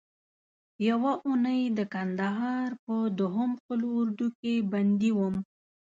یوه اونۍ د کندهار په دوهم قول اردو کې بندي وم.